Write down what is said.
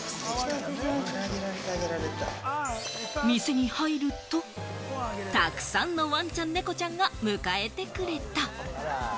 店に入ると、たくさんのワンちゃん猫ちゃんが迎えてくれた。